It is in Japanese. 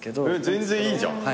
全然いいじゃん。